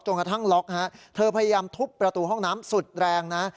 กระทั่งล็อกฮะเธอพยายามทุบประตูห้องน้ำสุดแรงนะ